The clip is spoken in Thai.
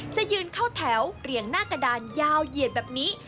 จะยืนเข้าแถวเรียงหน้ากระดานยาวเหยียดแบบนี้